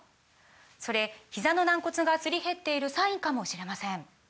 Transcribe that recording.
それひざの軟骨がすり減っているサインかもしれません